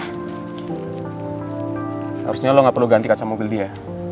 harusnya lo gak perlu ganti kaca mobil dia